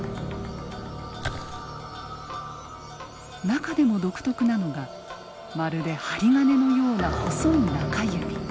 中でも独特なのがまるで針金のような細い中指。